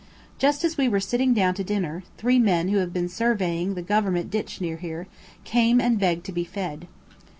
Just as we were sitting down to dinner, three men who have been surveying the Government ditch near here, came and begged to be fed.